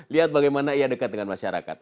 lihat bagaimana ia dekat dengan masyarakat